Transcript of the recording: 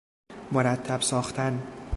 مرتب ساختن